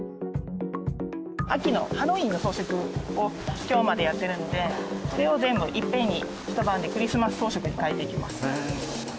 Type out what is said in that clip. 秋のハロウィーンの装飾を今日までやってるのでそれを全部いっぺんにひと晩でクリスマス装飾に変えていきます。